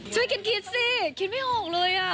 ช่วยกินคิดสิคิดไม่ออกเลยอ่ะ